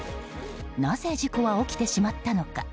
なぜ事故は起きてしまったのか。